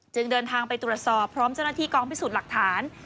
เดินทางไปตรวจสอบพร้อมเจ้าหน้าที่กองพิสูจน์หลักฐาน